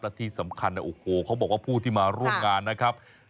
และที่สำคัญโอ้โหเขาบอกว่าผู้ที่มาร่วมงานนะครับ